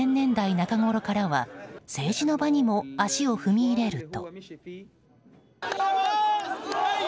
中ごろからは政治の場にも足を踏み入れると。